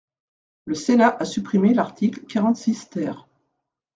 Le Sénat a supprimé l’article quarante-six ter.